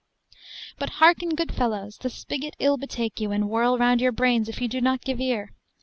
But hearken, good fellows, the spigot ill betake you, and whirl round your brains, if you do not give ear!